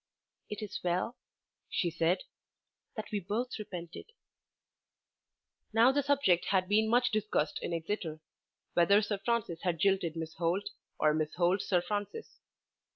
"It is well," she said, "that we both repented." Now the subject had been much discussed in Exeter whether Sir Francis had jilted Miss Holt or Miss Holt Sir Francis.